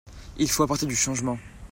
Il faut apporter du changement.